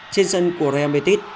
trên sân của real betis